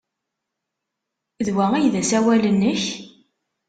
D wa ay d asawal-nnek?